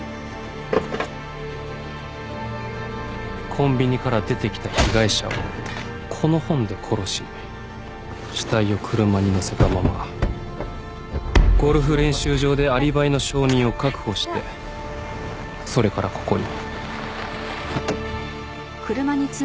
コンビニから出てきた被害者をこの本で殺し死体を車にのせたままゴルフ練習場でアリバイの証人を確保してそれからここに。